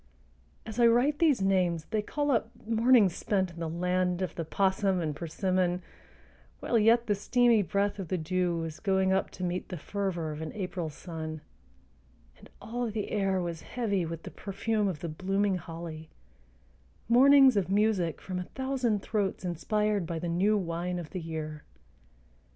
As I write these names they call up mornings spent in the land of the 'possum and persimmon while yet the steamy breath of the dew was going up to meet the fervor of an April sun, and all the air was heavy with the perfume of the blooming holly, mornings of music from a thousand throats inspired by "the new wine of the year."